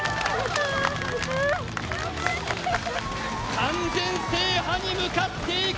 完全制覇に向かっていく